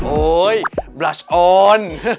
โอ๊ยบราชออน